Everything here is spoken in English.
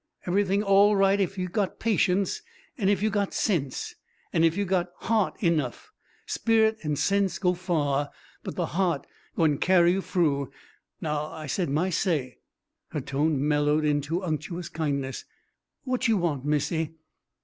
Eve'ything all right ef you got patience, an' ef you got sense, an' ef you got haht enough. Sperrit an' sense go far, but the haht gwine carry you froo. Now I said my say" her tone mellowed into unctuous kindness "what you want, Missy?